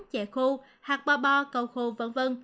chè khô hạt ba ba cầu khô v v